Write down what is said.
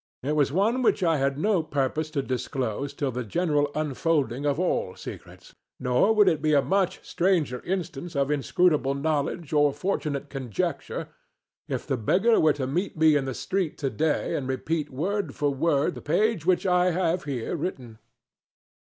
It was one which I had no purpose to disclose till the general unfolding of all secrets, nor would it be a much stranger instance of inscrutable knowledge or fortunate conjecture if the beggar were to meet me in the street today and repeat word for word the page which I have here written.